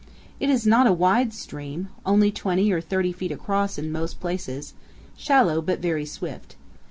It is not a wide stream only 20 or 30 feet across in most places; shallow, but very swift.